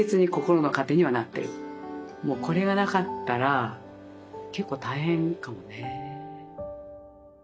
もうこれがなかったら結構大変かもね。